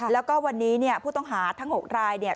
แล้วก็วันนี้เนี่ยผู้ต้องหาทั้ง๖รายเนี่ย